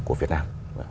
của việt nam